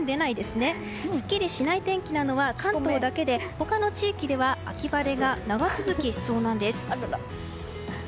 すっきりしない天気なのは関東だけで、他の地域では秋晴れが長続きしそうなんです。